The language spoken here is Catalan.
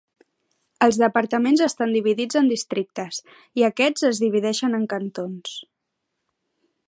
Els departaments estan dividits en districtes, i aquests es divideixen en cantons.